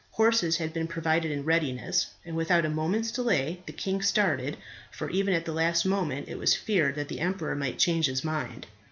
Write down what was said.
Horses had been provided in readiness, and without a moment's delay the king started, for even at the last moment it was feared that the emperor might change his mind.